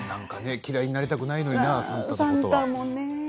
嫌いになりたくないのにな算太のことは。